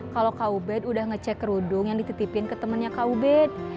kalo kubed udah ngecek kerudung yang dititipin ke temennya kubed